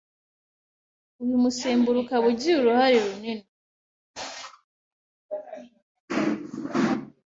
uyu musemburo ukaba ugira uruhare runini